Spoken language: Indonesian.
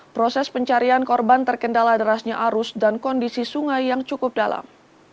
proses pencarian korban terkendala derasnya arus dan kondisi sungai yang cukup dalam